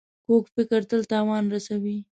کوږ فکر تل تاوان رسوي